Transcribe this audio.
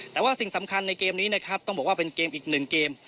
แต่ว่าสิ่งสำคัญในเกมนี้นะครับต้องบอกว่าเป็นเกมอีกหนึ่งเกม